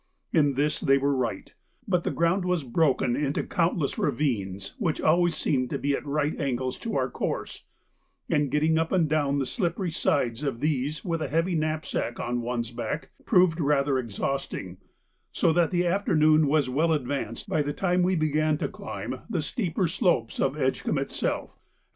In this they were right, but the ground was broken into countless ravines which always seemed to be at right angles to our course, and getting up and down the slippery sides of these with a heavy knapsack on one's back proved rather exhausting, so that the afternoon was well advanced by the time we began to climb the steeper slopes of Edgcumbe itself.